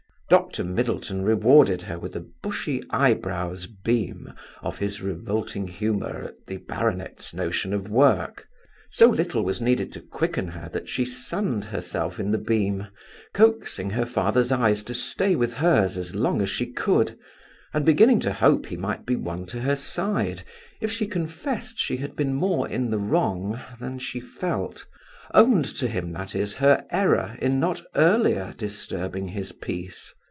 Dr Middleton rewarded her with a bushy eyebrow's beam of his revolting humour at the baronet's notion of work. So little was needed to quicken her that she sunned herself in the beam, coaxing her father's eyes to stay with hers as long as she could, and beginning to hope he might be won to her side, if she confessed she had been more in the wrong than she felt; owned to him, that is, her error in not earlier disturbing his peace.